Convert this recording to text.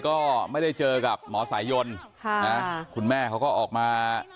ก็ไม่ได้เจอกับหมอสายยนค่ะนะคุณแม่เขาก็ออกมา